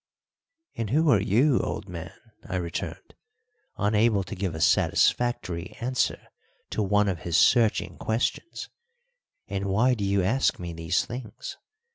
"And who are you, old man?" I returned, unable to give a satisfactory answer to one of his searching questions, "and why do you ask me these things?